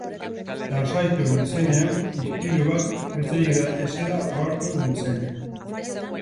Lasaitu nintzenean, ispilu bat besterik ez zela ohartu nintzen.